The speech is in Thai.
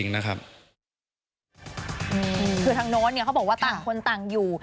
คือทางโน้นเขาบอกว่าต่างคนต่างอยู่